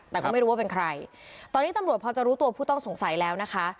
แต่ก็ไม่รู้ว่าเป็นใครตอนนี้ตำรวจพอจะรู้ตัวผู้ต้องสงสัยแล้วนะคะ